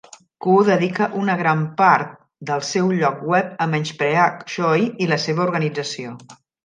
Koo dedica una gran part del seu lloc web a menysprear Choi i la seva organització.